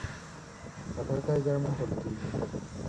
خټکی ګرم نه خوړل کېږي.